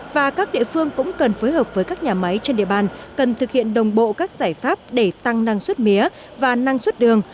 và các địa phương cũng cần phối hợp với các nhà máy trên địa bàn cần thực hiện đồng bộ các giải pháp để tăng năng suất mía và năng suất đường